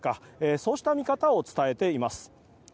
そうした見方を伝えています。